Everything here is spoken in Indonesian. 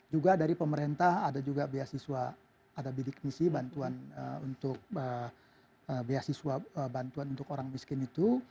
juga dari pemerintah ada juga beasiswa ada bidik misi bantuan untuk beasiswa bantuan untuk orang miskin itu